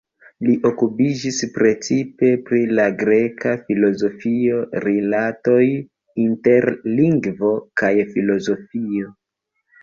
Li okupiĝis precipe pri la greka filozofio, rilatoj inter lingvo kaj filozofio.